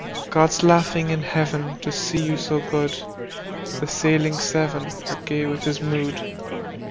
God's laughing in Heaven To see you so good; The Sailing Seven Are gay with his mood.